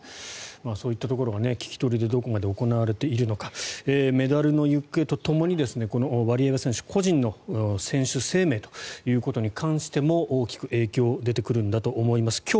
そういったところが聞き取りでどこまで行われているのかメダルの行方とともにワリエワ選手個人の選手生命ということに関しても大きく影響が出てくるんだと思います。